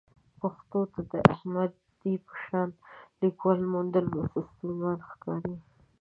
پښتو ته د احمدي په شان لیکوال موندل اوس ستونزمن ښکاري.